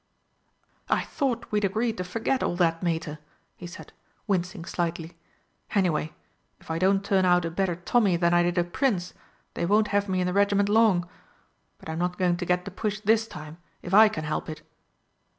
"I thought we'd agreed to forget all that, Mater," he said, wincing slightly. "Anyway, if I don't turn out a better Tommy than I did a Prince, they won't have me in the regiment long. But I'm not going to get the push this time, if I can help it.